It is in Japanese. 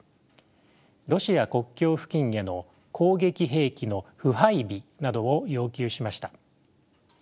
ロシア国境付近への攻撃兵器の不配備などを要求しました。